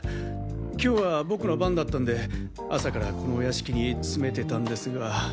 今日は僕の番だったんで朝からこのお屋敷に詰めてたんですが。